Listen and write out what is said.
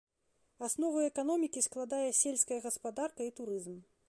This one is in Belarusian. Аснову эканомікі складае сельская гаспадарка і турызм.